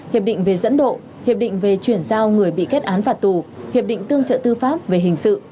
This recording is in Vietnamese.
hiệp định về dẫn độ hiệp định về chuyển giao người bị kết án phạt tù hiệp định tương trợ tư pháp về hình sự